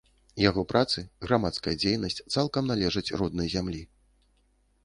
Яго працы, грамадская дзейнасць цалкам належаць роднай зямлі.